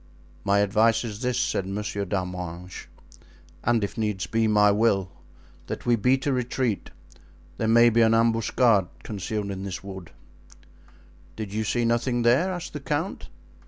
"My advice is this," said Monsieur d'Arminges, "and if needs be, my will, that we beat a retreat. There may be an ambuscade concealed in this wood." "Did you see nothing there?" asked the count.